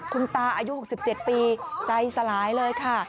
คุณตาอายุ๖๗ปีใจสลายเลยค่ะ